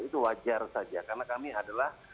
itu wajar saja karena kami adalah